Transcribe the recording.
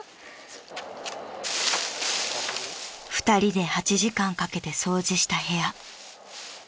［２人で８時間かけて掃除した部屋］